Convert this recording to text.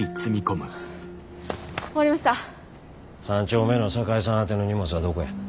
３丁目の酒井さん宛ての荷物はどこや。